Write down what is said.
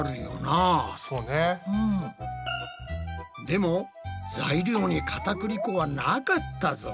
でも材料にかたくり粉はなかったぞ。